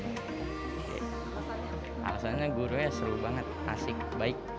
alasannya gurunya seru banget klasik baik